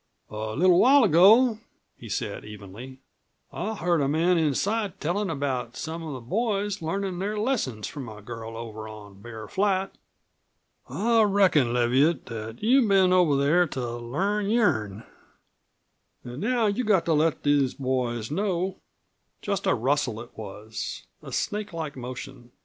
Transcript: "A little while ago," he said evenly, "I heard a man inside tellin' about some of the boys learnin' their lessons from a girl over on Bear Flat. I reckon, Leviatt, that you've been over there to learn your'n. An' now you've got to let these boys know !" Just a rustle it was a snake like motion.